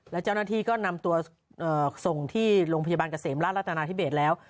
และเจ้าหน้าที่ก็นำตัวส่งที่โรงพยาบาลเกษมราชรัฐนาธิเบสแล้ว